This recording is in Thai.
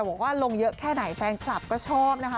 บอกว่าลงเยอะแค่ไหนแฟนคลับก็ชอบนะคะ